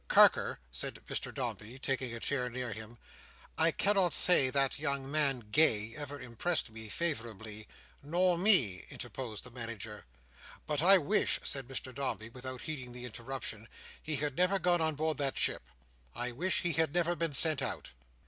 "Carker," said Mr Dombey, taking a chair near him, "I cannot say that young man, Gay, ever impressed me favourably—" "Nor me," interposed the Manager. "—But I wish," said Mr Dombey, without heeding the interruption, "he had never gone on board that ship. I wish he had never been sent out.